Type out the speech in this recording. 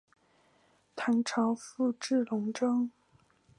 唐朝复置龙州。